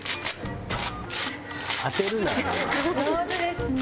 上手ですね。